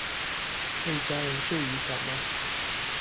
可以加人數語法嗎